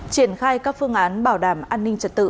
triển khai các phương án bảo đảm an ninh trật tự